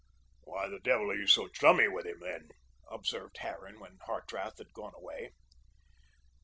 "Why the devil are you so chummy with him, then?" observed Harran when Hartrath had gone away.